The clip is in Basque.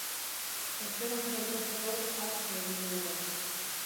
Esperantza izateko, ahaztu egin behar da.